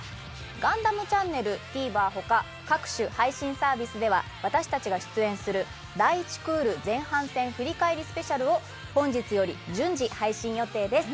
「ガンダムチャンネル」「ＴＶｅｒ」他各種配信サービスでは私たちが出演する「第１クール前半戦振り返りＳＰ」を本日より順次配信予定です。